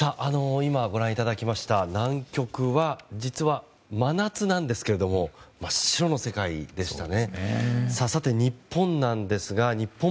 今、ご覧いただきました南極は実は真夏なんですが真っ白の世界でしたね。